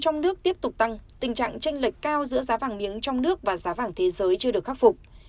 trong nước tiếp tục tăng tình trạng tranh lệch cao giữa giá vàng miếng trong nước và giá vàng thế giới chưa được khắc phục